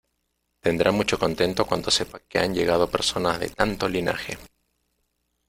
tendrá mucho contento cuando sepa que han llegado personas de tanto linaje: